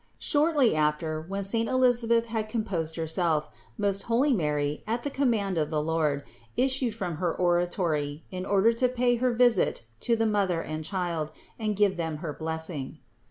Shortly after, when saint Elisabeth had composed herself, most holy Mary, at the command of the Lord, issued from her oratory, in order to pay her visit to the mother and child and give them her bless ing.